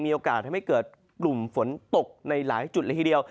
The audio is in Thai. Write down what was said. มีโอกาสให้ไม่เกิดกลุ่มฝนตกในหลายจุดในทีเดียว